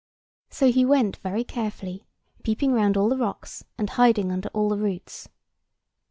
So he went very carefully, peeping round all the rocks, and hiding under all the roots.